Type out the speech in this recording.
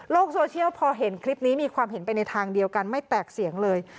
โซเชียลพอเห็นคลิปนี้มีความเห็นไปในทางเดียวกันไม่แตกเสียงเลย